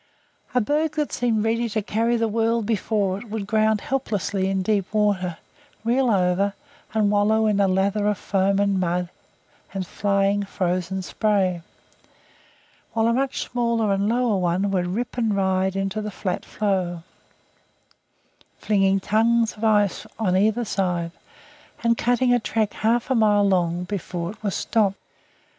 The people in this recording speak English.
A berg that seemed ready to carry the world before it would ground helplessly in deep water, reel over, and wallow in a lather of foam and mud and flying frozen spray, while a much smaller and lower one would rip and ride into the flat floe, flinging tons of ice on either side, and cutting a track half a mile long before it was stopped.